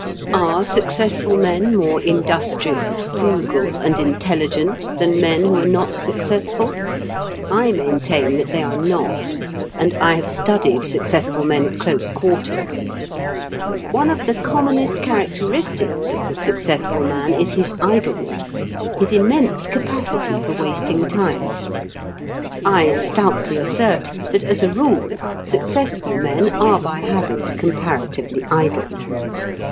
Are successful men more industrious, frugal, and intelligent than men who are not successful? I maintain that they are not, and I have studied successful men at close quarters. One of the commonest characteristics of the successful man is his idleness, his immense capacity for wasting time. I stoutly assert that as a rule successful men are by habit comparatively idle.